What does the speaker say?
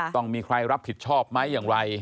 ต้องมีใครรับผิดชอบไหมอย่างไร